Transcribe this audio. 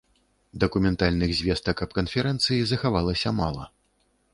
Дакументальных звестак аб канферэнцыі захавалася мала.